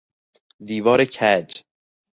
دیوار کج